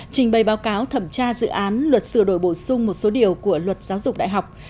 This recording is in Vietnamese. trình bày báo cáo thẩm tra dự án luật sửa đổi bổ sung một số điều của luật giáo dục đại học